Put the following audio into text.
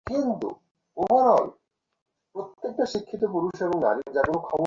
টং দোকানে বসে থাকি।